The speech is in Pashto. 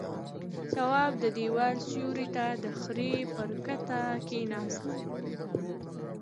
تواب د دېوال سيوري ته د خرې پر کته کېناست.